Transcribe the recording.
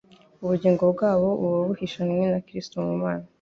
Ubugingo bwabo buba buhishanywe na Kristo mu Mana,